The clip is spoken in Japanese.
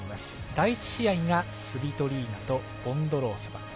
第１試合がスビトリーナとボンドロウソバ。